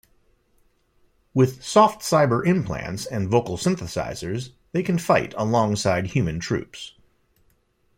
With soft-cyber implants and vocal synthesizers they can fight alongside human troops.